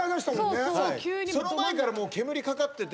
その前から煙かかってて。